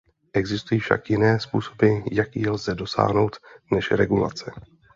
Existují však jiné způsoby, jak jí lze dosáhnout, než regulace.